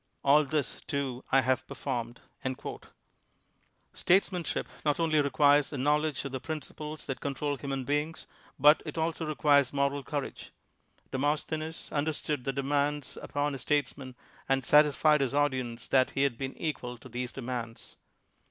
All this, too, I have performed. '' Statesmanship not only requires a knowledge of the principles that control human beings, but it also requires moral courage. Demosthenes understood the demands upon a statesman and satisfied his audience that he had been equal to these demands.